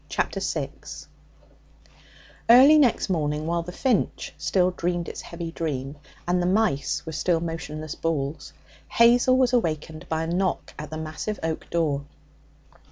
Chapter 6 Early next morning, while the finch still dreamed its heavy dream and the mice were still motionless balls, Hazel was awakened by a knock at the massive oak door.